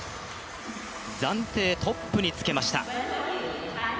暫定トップにつけました。